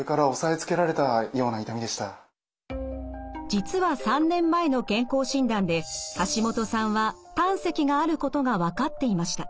実は３年前の健康診断でハシモトさんは胆石があることが分かっていました。